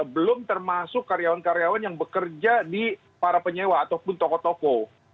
belum termasuk karyawan karyawan yang bekerja di para penyewa ataupun toko toko